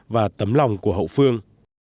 và tấm lòng của hậu phương